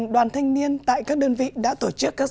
đoàn thanh niên tại các đơn vị đã tổ chức các dự án